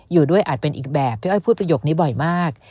อยู่ด้วยอาจเป็นอีกแบบพี่อ้อยพูดประโยคนี้บ่อยมาก